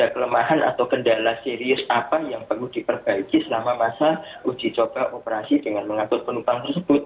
kelemahan atau kendala serius apa yang perlu diperbaiki selama masa uji coba operasi dengan mengatur penumpang tersebut